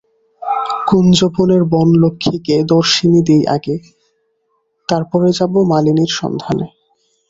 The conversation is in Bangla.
কুঞ্জবনের বনলক্ষ্মীকে দর্শনী দিই আগে, তার পরে যাব মালিনীর সন্ধানে।